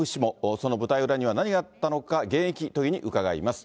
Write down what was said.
その舞台裏には何があったのか、現役都議に伺います。